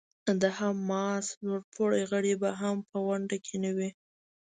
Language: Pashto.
د حماس لوړ پوړي غړي به هم په غونډه کې نه وي.